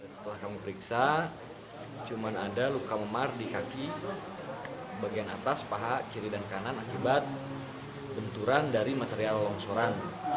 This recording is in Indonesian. setelah kami periksa cuma ada luka memar di kaki bagian atas paha kiri dan kanan akibat benturan dari material longsoran